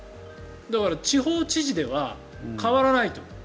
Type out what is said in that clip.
だから地方知事では変わらないと。